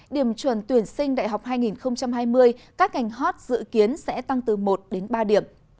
điểm chuẩn tuyển sinh đại học hai nghìn hai mươi các ngành hot dự kiến sẽ tăng từ một đến ba điểm